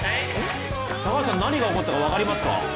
高橋さん、何が起こったか分かりますか？